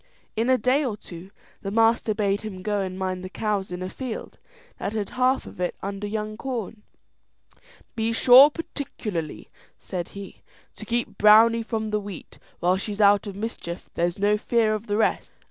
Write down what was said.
In a day or two the master bade him go and mind the cows in a field that had half of it under young corn. "Be sure, particularly," said he, "to keep Browney from the wheat; while she's out of mischief there's no fear of the rest."